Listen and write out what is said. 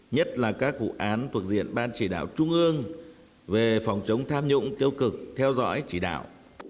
nhất là các vụ án thuộc diện ban chỉ đạo trung ương về phòng chống tham nhũng tiêu cực theo dõi chỉ đạo